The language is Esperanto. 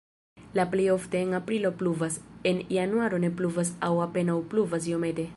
La plej ofte en aprilo pluvas, en januaro ne pluvas aŭ apenaŭ pluvas iomete.